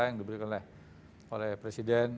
yang diberikan oleh presiden